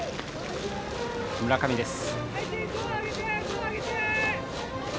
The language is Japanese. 村上です。